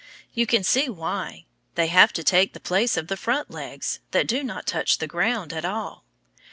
You can see why. They have to take the place of the front legs, that do not touch the ground at all.